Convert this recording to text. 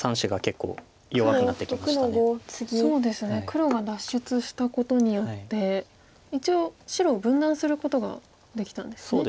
黒が脱出したことによって一応白を分断することができたんですね。